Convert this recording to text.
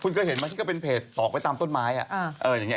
คุณก็เห็นมั้ยที่เป็นเพจตอกไปตามต้นไม้